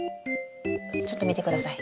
ちょっと見てください。